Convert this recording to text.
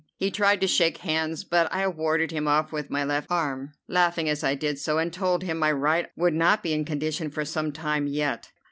He tried to shake hands, but I warded him off with my left arm, laughing as I did so, and told him my right would not be in condition for some time yet.